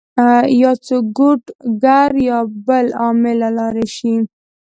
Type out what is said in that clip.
يا څوک کوډ ګر يا بل عامل له لاړ شي